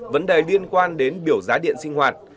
vấn đề liên quan đến biểu giá điện sinh hoạt